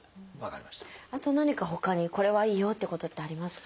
あと何かほかにこれはいいよってことってありますか？